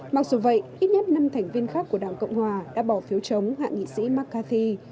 mặc dù vậy ít nhất năm thành viên khác của đảng cộng hòa đã bỏ phiếu chống hạ nghị sĩ mccarthy